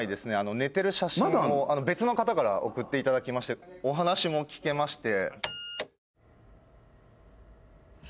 別の方から送っていただきましてお話も聞けまして。